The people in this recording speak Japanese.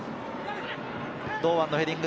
堂安のヘディング。